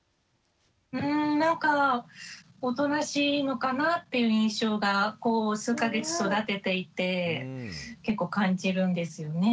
うんなんかおとなしいのかなっていう印象がこう数か月育てていて結構感じるんですよね。